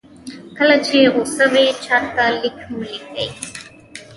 کله چې غوسه وئ چاته لیک مه لیکئ.